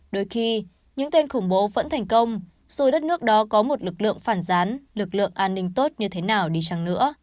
đôi khi những tên khủng bố vẫn thành công dù đất nước đó có một lực lượng phản gián lực lượng an ninh tốt như thế nào đi chăng nữa